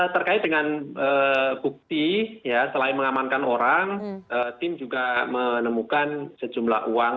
terkait dengan bukti ya selain mengamankan orang tim juga menemukan sejumlah uang